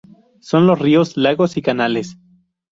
Son los ríos, lagos y canales.